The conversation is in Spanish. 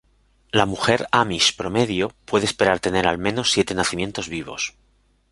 La mujer amish promedio puede esperar tener al menos siete nacimientos vivos.